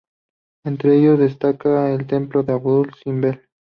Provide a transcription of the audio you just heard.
Entre ellos destaca el templo de Abu Simbel.